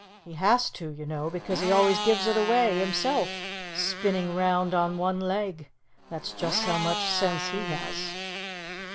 He has to, you know, because he always gives it away, himself, spinning 'round on one leg. That's just how much sense he has."